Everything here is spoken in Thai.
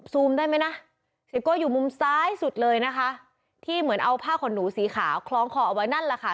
ได้ไหมนะเสียโก้อยู่มุมซ้ายสุดเลยนะคะที่เหมือนเอาผ้าขนหนูสีขาวคล้องคอเอาไว้นั่นแหละค่ะ